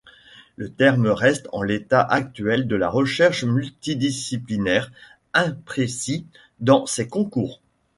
Le terme reste, en l'état actuel de la recherche multidisciplinaire, imprécis dans ses contours.